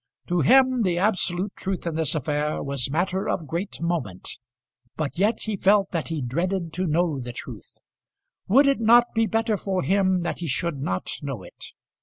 To him the absolute truth in this affair was matter of great moment, but yet he felt that he dreaded to know the truth. Would it not be better for him that he should not know it?